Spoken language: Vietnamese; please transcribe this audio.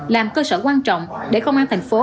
làm cơ sở quan trọng để công an thành phố